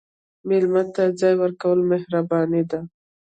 مېلمه ته ځای ورکول مهرباني ده.